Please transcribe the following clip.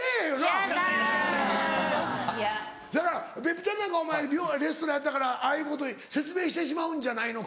だから別府ちゃんなんかお前レストランやったからああいうこと説明してしまうんじゃないの？